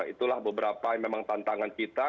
itulah beberapa memang tantangan kita